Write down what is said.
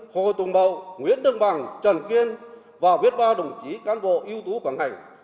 hồ tùng bậu nguyễn đương bằng trần kiên và viết ba đồng chí cán bộ yếu tố của ngành